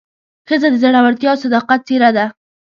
ښځه د زړورتیا او صداقت څېره ده.